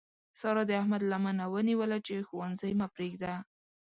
سارا د احمد لمنه ونیوله چې ښوونځی مه پرېږده.